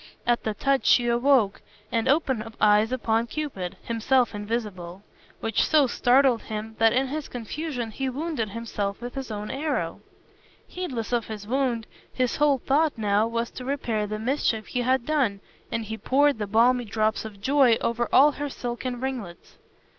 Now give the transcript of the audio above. At the touch she awoke, and opened eyes upon Cupid (himself invisible), which so startled him that in his confusion he wounded himself with his own arrow. Heedless of his wound, his whole thought now was to repair the mischief he had done, and he poured the balmy drops of joy over all her silken ringlets.